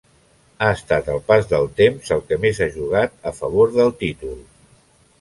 Ha estat el pas del temps el que més ha jugat a favor del títol.